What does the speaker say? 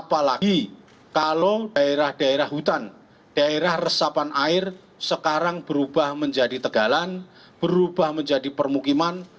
apalagi kalau daerah daerah hutan daerah resapan air sekarang berubah menjadi tegalan berubah menjadi permukiman